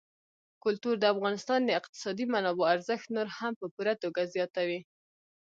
کلتور د افغانستان د اقتصادي منابعو ارزښت نور هم په پوره توګه زیاتوي.